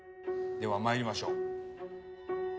ではまいりましょう。